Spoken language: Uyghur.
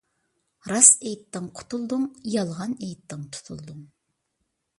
راست ئېيتتىڭ قۇتۇلدۇڭ، يالغان ئېيتتىڭ تۇتۇلدۇڭ.